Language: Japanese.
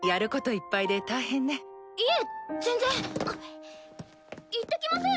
いってきます！